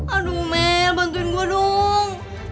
aduh mel bantuin gue dong